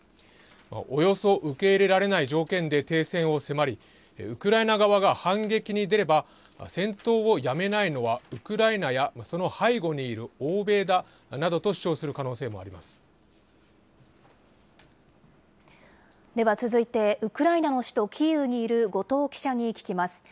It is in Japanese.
およそ受け入れられない条件で停戦を迫り、ウクライナ側が反撃に出れば、戦闘をやめないのはウクライナやその背後にいる欧米だなどと主張では続いて、ウクライナの首都キーウにいる後藤記者に聞きます。